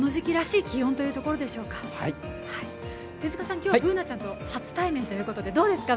今日はＢｏｏｎａちゃんと初対面ということで、どうですか？